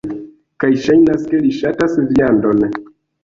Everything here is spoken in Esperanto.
Kaj ŝajnas, ke li ŝatas viandon.